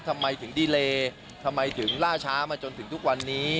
ทำไมถึงดีเลทำไมถึงล่าช้ามาจนถึงทุกวันนี้